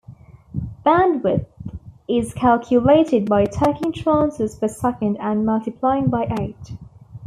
Bandwidth is calculated by taking transfers per second and multiplying by eight.